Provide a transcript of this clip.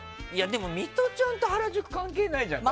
でも、ミトちゃんと原宿関係ないじゃん。